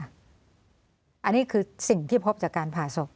อันนี้คือสิ่งที่พบจากการผ่าศพ